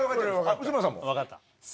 内村さんも？分かった。